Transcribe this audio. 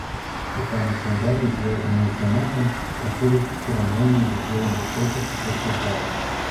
У памятныя даты, звязаныя з замахам, праходзяць цырымоніі з удзелам вышэйшых асоб дзяржавы.